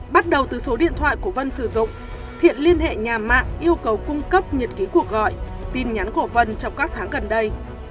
bắt đầu từ số điện thoại của vân sử dụng thiện liên hệ nhà mạng yêu cầu cung cấp nhật ký cuộc gọi tin nhắn của vân trong các tháng gần đây